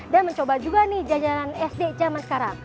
dan mencoba juga nih jajanan sd zaman sekarang